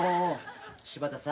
柴田さん。